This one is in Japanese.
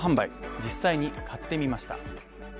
実際に買ってみました。